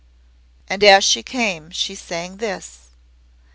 And as she came she sang this.